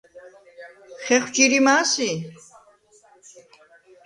ხეხვ ჯირიმა̄ სი?